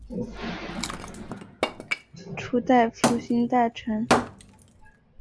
初代复兴大臣由东日本大震灾复兴对策担当大臣平野达男出任。